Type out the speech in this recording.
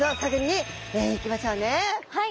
はい。